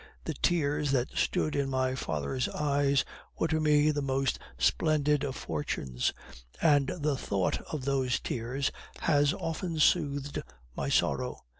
The tears that stood in my father's eyes were to me the most splendid of fortunes, and the thought of those tears has often soothed my sorrow.